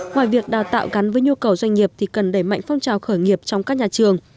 ngoài việc đào tạo gắn với nhu cầu doanh nghiệp thì cần đẩy mạnh phong trào khởi nghiệp trong các nhà trường